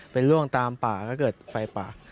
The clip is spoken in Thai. เป็นล่วงตามป่าก็เกิดไฟป่า